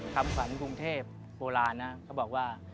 คำขวัญกรุงเทพโบราณนะเขาบอกว่า